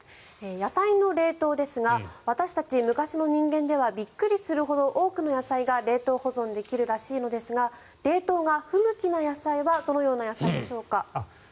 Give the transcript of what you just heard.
野菜の冷凍ですが私たち昔の人間ではびっくりするほど多くの野菜が冷凍保存できるらしいのですが冷凍が不向きな野菜はどのような野菜でしょうか。